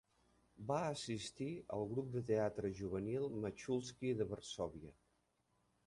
Va assistir al grup de teatre juvenil Machulski de Varsòvia.